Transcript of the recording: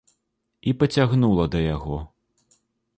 І пацягнула да яго.